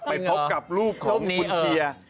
ไปพบกับลูกของคุณเชียร์